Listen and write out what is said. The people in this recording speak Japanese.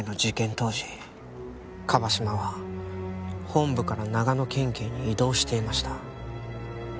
当時椛島は本部から長野県警に異動していました。